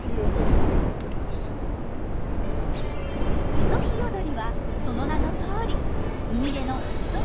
イソヒヨドリはその名のとおり海辺の磯によくいる鳥。